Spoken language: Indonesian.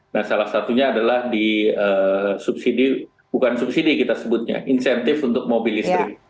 nah salah satunya adalah di subsidi bukan subsidi kita sebutnya insentif untuk mobil listrik